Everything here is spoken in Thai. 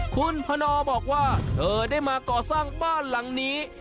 คุณพนอบอกว่าเธอได้มาก่อสร้างบ้านหลังนี้